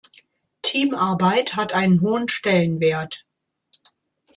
Teamarbeit hatte einen hohen Stellenwert.